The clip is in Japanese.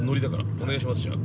お願いします、じゃあ。